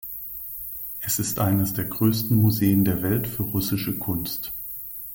Es ist eines der größten Museen der Welt für russische Kunst.